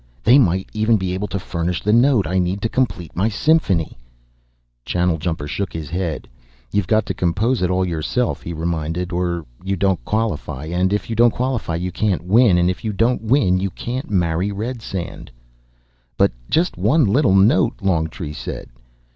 They might even be able to furnish the note I need to complete my symphony!" Channeljumper shook his head. "You've got to compose it all yourself," he reminded, "or you don't qualify. And if you don't qualify, you can't win, and if you don't win, you can't marry Redsand." "But just one little note " Longtree said.